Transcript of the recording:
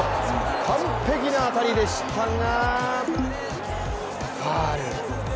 完璧な当たりでしたがファウル。